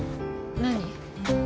何？